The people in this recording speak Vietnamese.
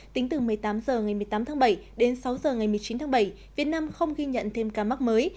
tính từ một mươi tám h ngày một mươi tám tháng bảy đến sáu h ngày một mươi chín tháng bảy việt nam không ghi nhận thêm ca mắc mới